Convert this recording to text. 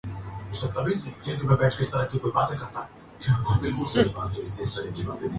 تو اب تک ہم وائرس کے شروع ہونے